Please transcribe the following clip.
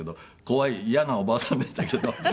怖い嫌なおばあさんでしたけど。